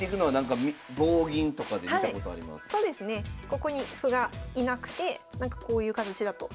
ここに歩が居なくてこういう形だと。